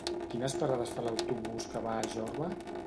Quines parades fa l'autobús que va a Jorba?